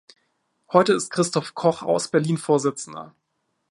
Heute ist Christoph Koch aus Berlin Vorsitzender.